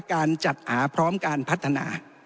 การจัดหาพร้อมการพัฒนา